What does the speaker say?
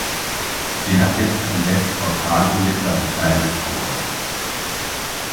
Sie hat jetzt ein Westportal im mittleren Teil des Chors.